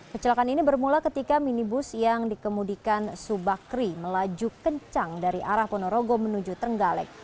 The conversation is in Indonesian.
kecelakaan ini bermula ketika minibus yang dikemudikan subakri melaju kencang dari arah ponorogo menuju trenggalek